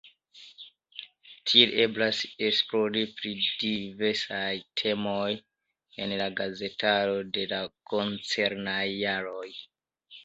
Tiel eblas esplori pri diversaj temoj en la gazetaro de la koncernaj jaroj.